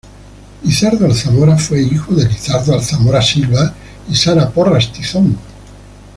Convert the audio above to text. Lizardo Alzamora fue hijo de Lizardo Alzamora Silva y Sara Porras Tizón.